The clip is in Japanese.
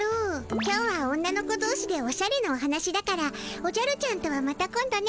今日は女の子どうしでおしゃれのお話だからおじゃるちゃんとはまた今度ね。